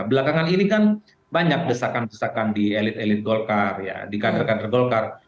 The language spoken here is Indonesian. belakangan ini kan banyak desakan desakan di elit elit golkar ya di kader kader golkar